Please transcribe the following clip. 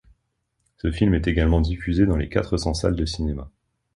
Ce film est également diffusé dans quatre cents salles de cinéma.